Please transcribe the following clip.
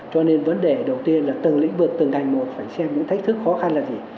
cho nên vấn đề đầu tiên là từng lĩnh vực từng ngành một phải xem những thách thức khó khăn là gì